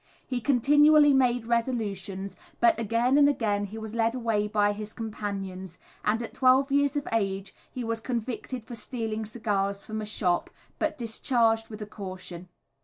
He continually made resolutions, but again and again he was led away by his companions, and at twelve years of age he was convicted for stealing cigars from a shop, but discharged with a caution.